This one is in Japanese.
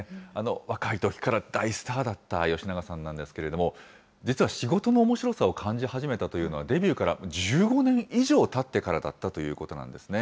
若いときから大スターだった吉永さんなんですけれども、実は、仕事のおもしろさを感じ始めたというのは、デビューから１５年以上たってからだったということなんですね。